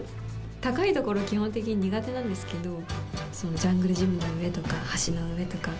高い所、基本的に苦手なんですけど、ジャングルジムの上とか、橋の上とか。